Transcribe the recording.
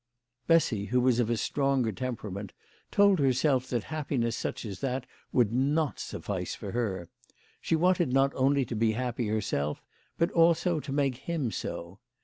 Eessy, who was of a stronger temperament, told her self that happiness such as that would not suffice for her. She wanted not only to be happy herself, but also to make him so.